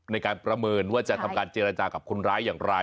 ในการประเมินว่าจะทำการเจรจากับคนร้ายอย่างไร